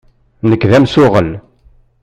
Nekk d amsuɣel.